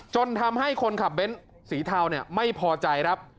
จนทำให้คนขับเบนส์สีเทาเนี่ยไม่พอใจครับ